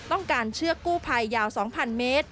ต้องการเชือกกู้ภัยยาว๒๐๐๐เมตร